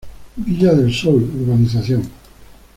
Villa del Sol, Urb.